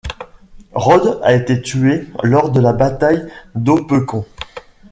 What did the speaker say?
Rodes a été tué lors de la bataille d'Opequon.